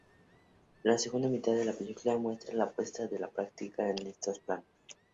La segunda mitad de la película muestra la puesta en práctica de estos planes.